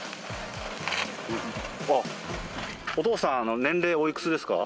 お父さん年齢おいくつですか？